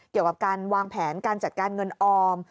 เกี่ยวกับการวางแผนการจัดการเงินออม